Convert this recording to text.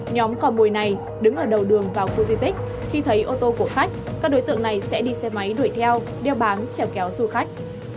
nhóm cò mồi này đứng ở đầu đường vào khu di tích khi thấy ô tô của khách các đối tượng này sẽ đi xe máy đuổi theo đeo bám trèo kéo du khách